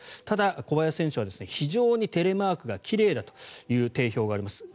ただ、小林選手は非常にテレマークが奇麗だという定評があります。